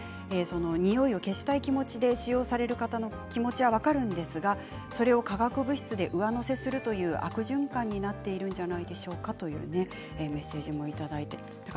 においを消したい気持ちで使用される方の気持ちは分かるんですがそれを化学物質で上乗せするという悪循環になっているんじゃないでしょうかというメッセージもいただいています。